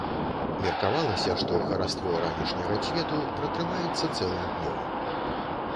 Меркавалася, што хараство ранішняга цвету пратрымаецца цэлым днём.